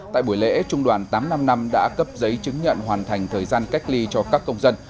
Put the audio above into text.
tại buổi lễ trung đoàn tám trăm năm mươi năm đã cấp giấy chứng nhận hoàn thành thời gian cách ly cho các công dân